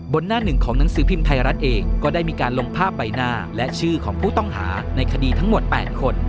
หน้าหนึ่งของหนังสือพิมพ์ไทยรัฐเองก็ได้มีการลงภาพใบหน้าและชื่อของผู้ต้องหาในคดีทั้งหมด๘คน